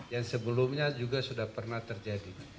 yang sebelumnya juga sudah pernah terjadi